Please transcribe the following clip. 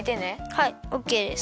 はいオッケーです。